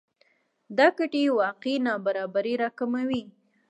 دا ګټې واقعي نابرابری راکموي